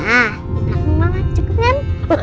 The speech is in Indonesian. aku banget cukup kan